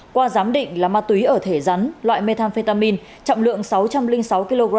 qua giám định là ma túy ở thể rắn loại methamphetamin trọng lượng sáu trăm linh sáu kg